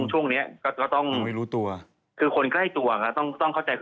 ช่วงนี้ก็ต้องคือคนใกล้ตัวก็ต้องเข้าใจ